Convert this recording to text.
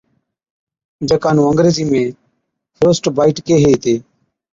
جڪا نُون انگريزِي ۾ فروسٽبائِيٽ (Frostbite) ڪيهي هِتي،